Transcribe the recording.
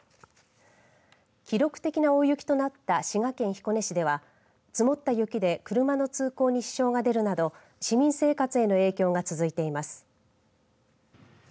記録的な大雪となった滋賀県彦根市では積もった雪で車の通行に支障が出るなど市民生活への影響が続いています。